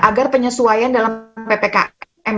agar penyesuaian dalam ppkm